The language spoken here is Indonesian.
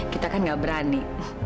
kita kan gak berani